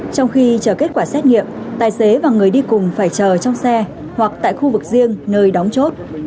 trong khi chờ kết quả xét nghiệm tài xế và người đi cùng phải chờ trong xe hoặc tại khu vực riêng nơi đóng chốt